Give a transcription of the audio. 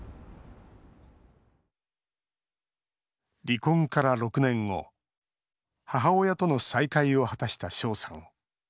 離婚から６年後母親との再会を果たした翔さん。